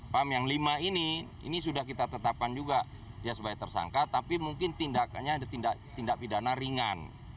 pam yang lima ini ini sudah kita tetapkan juga dia sebagai tersangka tapi mungkin tindakannya tindak pidana ringan